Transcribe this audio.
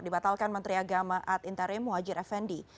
dibatalkan menteri agama ad intari muhajir effendi